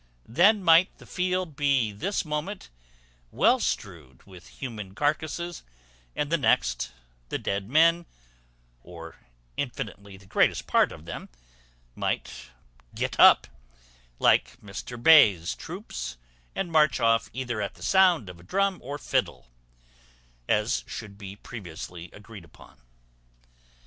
Then might the field be this moment well strewed with human carcasses, and the next, the dead men, or infinitely the greatest part of them, might get up, like Mr Bayes's troops, and march off either at the sound of a drum or fiddle, as should be previously agreed on.